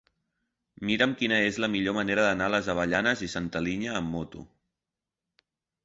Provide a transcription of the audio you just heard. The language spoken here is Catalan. Mira'm quina és la millor manera d'anar a les Avellanes i Santa Linya amb moto.